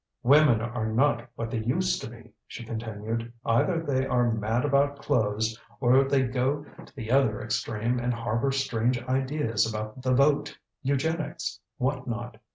"Women are not what they used to be," she continued. "Either they are mad about clothes, or they go to the other extreme and harbor strange ideas about the vote, eugenics, what not.